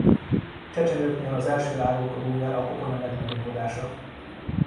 Csecsemőknél az első árulkodó jel a koponya megnagyobbodása.